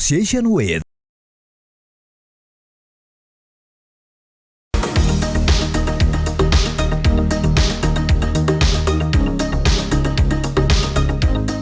pertama lebih langsung palms up